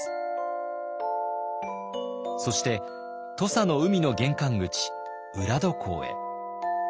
そして土佐の海の玄関口浦戸港へ。